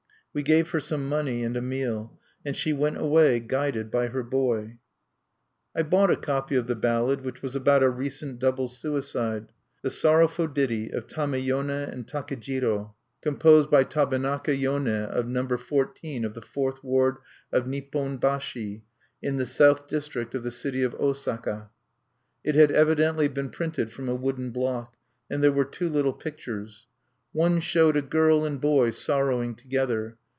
We gave her some money and a meal; and she went away, guided by her boy. I bought a copy of the ballad, which was about a recent double suicide: "_The sorrowful ditty of Tamayone and Takejiro, composed by Tabenaka Yone of Number Fourteen of the Fourth Ward of Nippon bashi in the South District of the City of Osaka_." It had evidently been printed from a wooden block; and there were two little pictures. One showed a girl and boy sorrowing together.